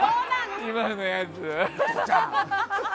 今のやつ！